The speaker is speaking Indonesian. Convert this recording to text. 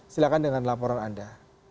silakan dengan laporan anda